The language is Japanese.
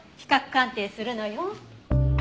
鑑定するのよ。